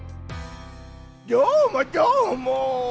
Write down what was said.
どーも、どーも！